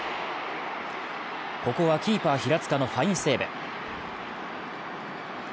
ここはキーパー・平塚のファインセーブ。